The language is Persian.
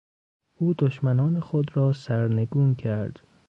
او دشمنان خود را سرنگون کرد.